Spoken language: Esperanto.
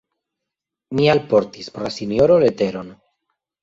Mi alportis por la sinjoro leteron.